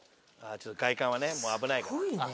ちょっと外観はねもう危ないから。